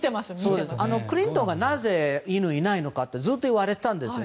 クリントンはなぜ犬がいないのかずっと言われてたんですね。